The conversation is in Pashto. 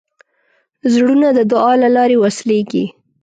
زړونه د دعا له لارې وصلېږي.